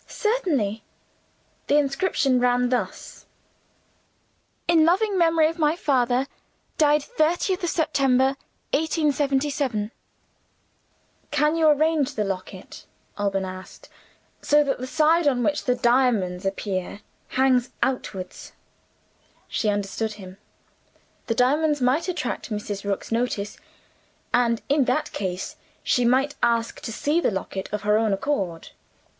"Certainly!" The inscription ran thus: "In loving memory of my father. Died 30th September, 1877." "Can you arrange the locket," Alban asked, "so that the side on which the diamonds appear hangs outward?" She understood him. The diamonds might attract Mrs. Rook's notice; and in that case, she might ask to see the locket of her own accord.